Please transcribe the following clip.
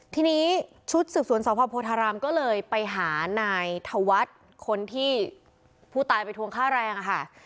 ทีนี้ชุดสืบสวนสพโพธารามก็เลยไปหานายธวัฒน์คนที่ผู้ตายไปทวงค่าแรงค่ะ